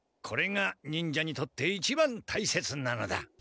これが忍者にとって一番大切なのだ！